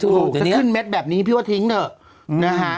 ถูกจะขึ้นแม็ดแบบนี้พี่ควรทิ้งนะฮะ